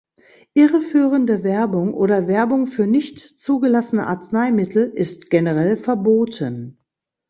Irreführende Werbung oder Werbung für nicht zugelassene Arzneimittel ist generell verboten.